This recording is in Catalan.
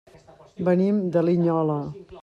Venim de Linyola.